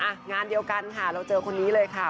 งานเดียวกันค่ะเราเจอคนนี้เลยค่ะ